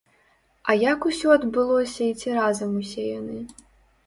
А як усё адбылося і ці разам усе яны?